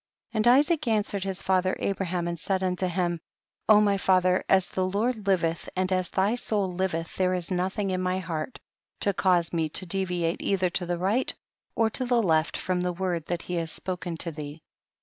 54. And Isaac answered his fath er Abraham and said unto him, O my fatlier, as the Lord livcth and as thy soul liveth there is nothing in my heart to cause me to deviate either to the right or to the left from the word that he has spoken to thee.